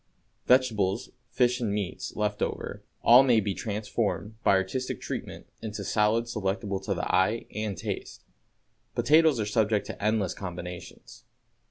Vegetables, fish and meats, "left over," all may be transformed, by artistic treatment, into salads delectable to the eye and taste. Potatoes are subject to endless combinations.